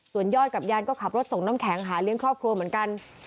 ส่วนยอดกับยานก็ขับรถส่งน้ำแข็งหาเลี้ยงครอบครัวเหมือนกัน